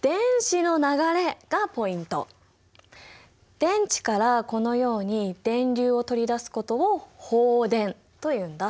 電池からこのように電流を取り出すことを放電というんだ。